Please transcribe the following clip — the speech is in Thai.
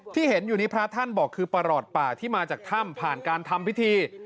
ที่เห็นอยู่นี้พระท่านบอกคือประหลอดป่าที่มาจากถ้ำผ่านการทำพิธี